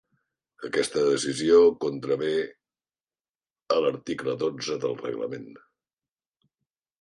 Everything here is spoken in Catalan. Aquesta decisió contravé a l'article dotze del reglament.